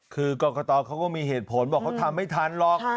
คือกรกตเขาก็มีเหตุผลบอกเขาทำไม่ทันหรอก